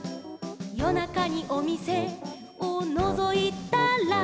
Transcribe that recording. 「よなかにおみせをのぞいたら」